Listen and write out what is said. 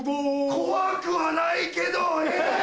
怖くはないけどえ！